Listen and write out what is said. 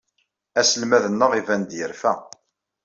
Aselmad-nneɣ iban-d yerfa.